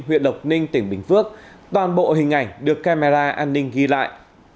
huyện lộc ninh tỉnh bình phước toàn bộ hình ảnh được camera an ninh ghi lại